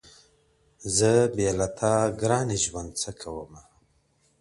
زه بې له تا گراني ژوند څه كومه_